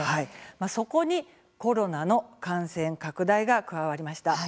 そこにコロナの感染拡大が加わりました。